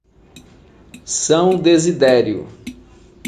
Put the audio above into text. São Desidério